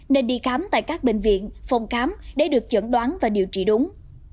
nên đi khám tại các bệnh viện phòng khám để được chẩn đoán và điều trị đúng